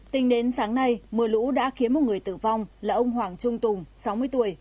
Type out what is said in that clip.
tính đến sáng nay mưa lũ đã khiến một người tử vong là ông hoàng trung tùng sáu mươi tuổi